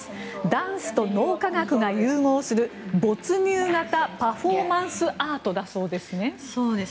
ダンスと脳科学が融合する没入型パフォーマンスアートだそうですね。